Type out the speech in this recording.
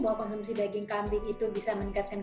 bahwa konsumsi daging kambing itu bisa meningkatkan libido